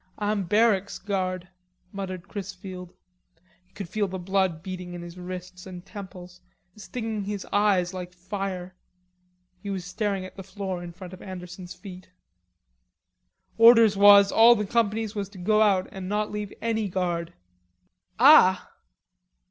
"Ah'm barracks guard," muttered Chrisfield. He could feel the blood beating in his wrists and temples, stinging his eyes like fire. He was staring at the floor in front of Anderson's feet. "Orders was all the companies was to go out an' not leave any guard." "Ah!'